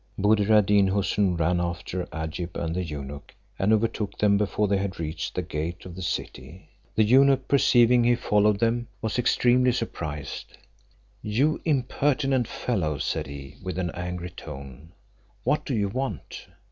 Buddir ad Deen Houssun ran after Agib and the eunuch, and overtook them before they had reached the gate of the city. The eunuch perceiving he followed them, was extremely surprised: "You impertinent fellow," said he, with an angry tone, "what do you want?"